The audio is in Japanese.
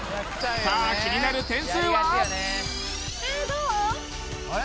さあ気になる点数は？